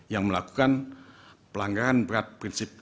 yang melakukan pelanggaran berat prinsip